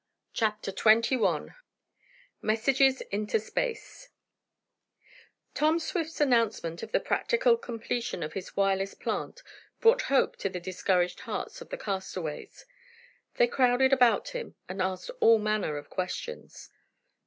CHAPTER XXI MESSAGES INTO SPACE Tom Swift's announcement of the practical completion of his wireless plant brought hope to the discouraged hearts of the castaways. They crowded about him, and asked all manner of questions.